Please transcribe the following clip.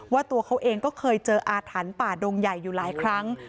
ตัวเขาเองก็เคยเจออาถรรพ์ป่าดงใหญ่อยู่หลายครั้ง